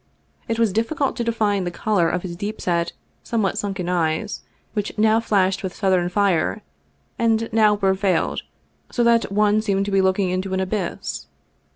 It was difficult to define the color of his deep set, somewhat sunken eyes, which now flashed with southern fire, and were now veiled, so that one seemed to be looking into an abyss.